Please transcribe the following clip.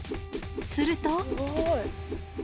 すると。